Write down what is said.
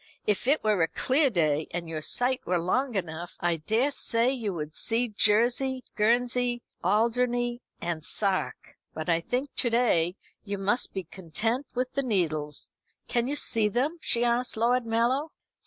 "If it were a clear day, and your sight were long enough, I daresay you would see Jersey, Guernsey, Alderney, and Sark. But, I think, to day you must be content with the Needles. Can you see them?" she asked Lord Mallow.